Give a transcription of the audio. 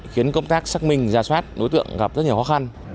khiến công tác xác minh ra soát đối tượng gặp rất nhiều khó khăn